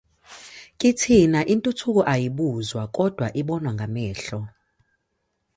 Kithina intuthuko ayibuzwa kodwa ibonwa ngamehlo.